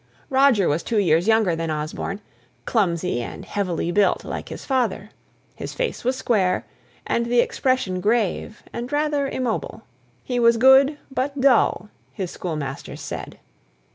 Roger was two years younger than Osborne; clumsy and heavily built, like his father; his face was square, and the expression grave, and rather immobile. He was good, but dull, his schoolmasters said.